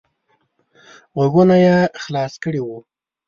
غوږونه یې خلاص کړي وو.